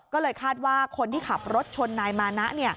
ก็เลยคาดว่าคนที่ขับรถชนนายมานะ